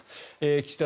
岸田